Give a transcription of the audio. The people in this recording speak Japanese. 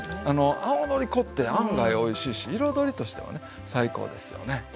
青のり粉って案外おいしいし彩りとしてはね最高ですよね。